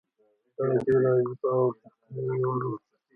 دا ډېره عجیبه او د ستاینې وړ وه.